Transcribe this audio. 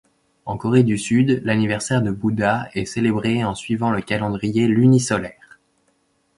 En Corée du Sud, l'anniversaire de Bouddha est célébré en suivant le calendrier luni-solaire.